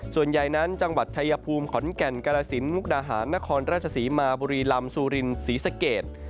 ส่วนใหญ่นั้นจังหวัดชายภูมิขอนแก่นกาลสินมุกดาหารนครราชศรีมาบุรีลำซูรินศรีสเกต